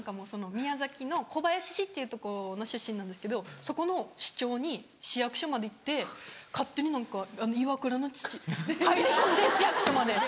宮崎の小林市っていうとこの出身なんですけどそこの市長に市役所まで行って勝手に何か「イワクラの父」入り込んで市役所まで。